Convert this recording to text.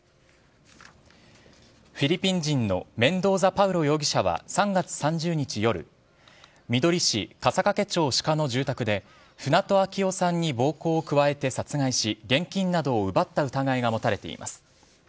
フィリピン人のメンドーザ・パウロ容疑者は３月３０日夜、みどり市笠懸町鹿の住宅で、船戸秋雄さんに暴行を加えて殺害し、現金などを奪った疑いが持たれています。